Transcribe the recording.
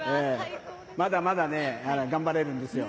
まだまだ頑張れるんですよ。